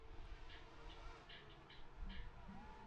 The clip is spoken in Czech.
Následoval rodinnou tradici a sloužil v armádě.